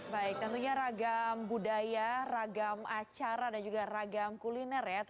baik tentunya ragam budaya ragam acara dan juga ragam kuliner ya